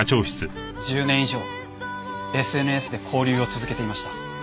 １０年以上ＳＮＳで交流を続けていました。